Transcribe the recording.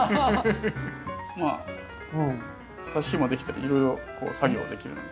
まあさし木もできたりいろいろ作業はできるので。